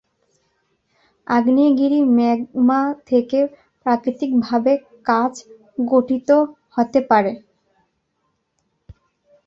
আগ্নেয়গিরির ম্যাগমা থেকে প্রাকৃতিকভাবে কাচ গঠিত হতে পারে।